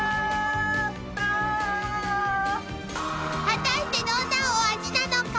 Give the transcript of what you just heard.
［果たしてどんなお味なのか］